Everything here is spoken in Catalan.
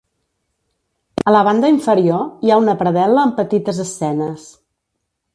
A la banda inferior, hi ha una predel·la amb petites escenes.